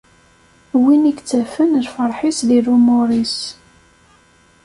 Win i yettafen lferḥ-is di lumuṛ-is.